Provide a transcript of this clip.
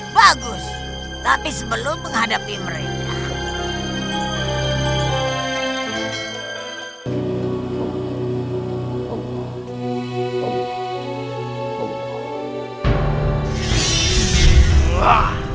bagus tapi sebelum menghadapi mereka